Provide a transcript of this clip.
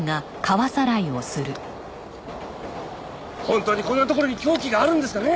本当にこんな所に凶器があるんですかね？